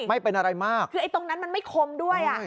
ไม่เป็นอะไรมากคือไอ้ตรงนั้นมันไม่คมด้วยอ่ะ